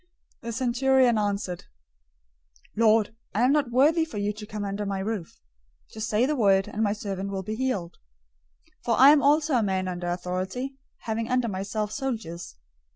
008:008 The centurion answered, "Lord, I'm not worthy for you to come under my roof. Just say the word, and my servant will be healed. 008:009 For I am also a man under authority, having under myself soldiers.